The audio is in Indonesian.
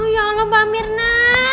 ya allah mbak mirna